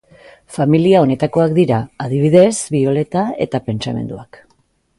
Familia honetakoak dira, adibidez, bioleta eta pentsamenduak.